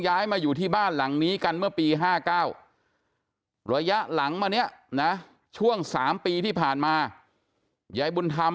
แข็งแข็งแข็งแข็งแข็งแข็งแข็งแข็งแข็งแข็งแข็งแข็ง